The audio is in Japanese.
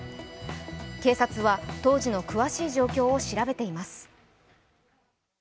警察は、当時の詳しい状況を調べています。